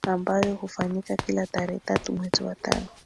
ambayo hufanyika kila tarehe tatu Mwezi wa tano